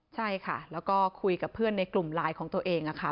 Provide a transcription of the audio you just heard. ใช่ค่ะแล้วก็คุยกับเพื่อนในกลุ่มไลน์ของตัวเอง